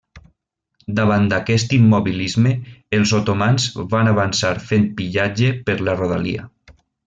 Davant d'aquest immobilisme, els otomans van avançar fent pillatge per la rodalia.